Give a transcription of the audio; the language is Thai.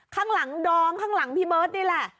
ข้างหลังดอมข้างหลังพี่เบิร์ตนี่แหละ